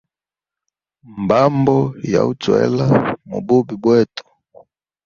Mbambo ya uchwela mububi bwetu.